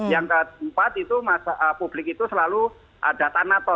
yang keempat itu publik itu selalu ada tanato